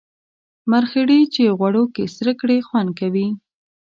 مرخیړي چی غوړو کی سره کړی خوند کوي